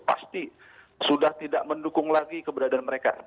pasti sudah tidak mendukung lagi keberadaan mereka